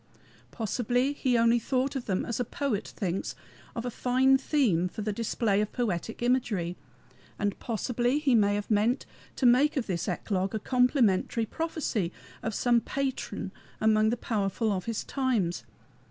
Possibly he only thought of them as a poet thinks of a fine theme for the display of poetic imagery; and possibly he may have meant to make of this eclogue a complimentary prophecy of some patron among the powerful of his times.